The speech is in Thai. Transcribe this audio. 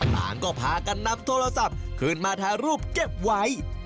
ต่างก็พากันนำโทรศัพท์ขึ้นมาถ่ายรูปเก็บไว้